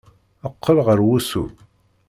Qqel ɣer wusu!